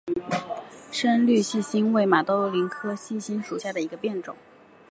深绿细辛为马兜铃科细辛属下的一个变种。